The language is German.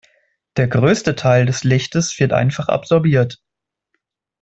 Der größte Teil des Lichtes wird einfach absorbiert.